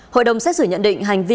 hội đồng xét xử nhận định hành vi